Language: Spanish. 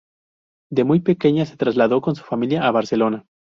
De muy pequeña se trasladó con su familia a Barcelona.